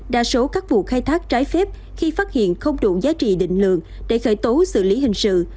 đa số các vụ khai thác trái phép khi phát hiện không đủ giá trị định lượng để khởi tố xử lý hình sự